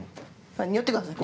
におってください。